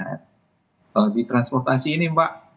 nah di transportasi ini mbak